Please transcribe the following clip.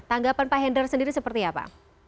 tanggapan pak hendra sendiri seperti apa